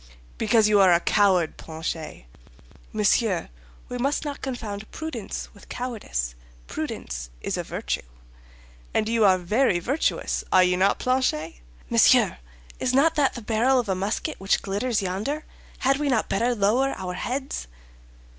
"Because you are a coward, Planchet." "Monsieur, we must not confound prudence with cowardice; prudence is a virtue." "And you are very virtuous, are you not, Planchet?" "Monsieur, is not that the barrel of a musket which glitters yonder? Had we not better lower our heads?"